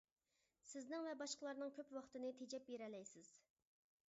سىزنىڭ ۋە باشقىلارنىڭ كۆپ ۋاقتىنى تېجەپ بېرەلەيسىز.